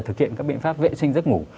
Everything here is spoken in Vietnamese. thực hiện các biện pháp vệ sinh giấc ngủ